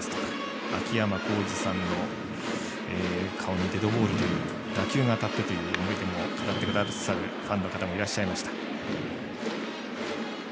秋山幸二さんの顔にデッドボールという打球が当たったという思い出を語ってくださるファンの方もいらっしゃいました。